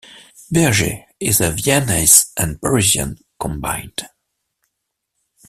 Berger is a Viennese and Parisian combined.